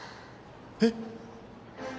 えっ？